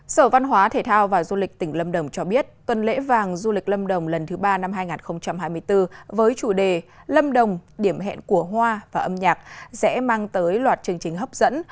sở văn hóa thể thao và du lịch tỉnh lâm đồng cho biết tuần lễ vàng du lịch lâm đồng lần thứ ba năm hai nghìn hai mươi bốn với chủ đề lâm đồng điểm hẹn của hoa và âm nhạc sẽ mang tới loạt chương trình hấp dẫn